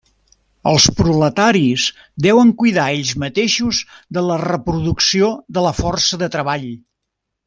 Els proletaris deuen cuidar ells mateixos de la reproducció de la força de treball.